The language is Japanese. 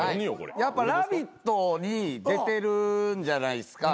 『ラヴィット！』に出てるじゃないっすか。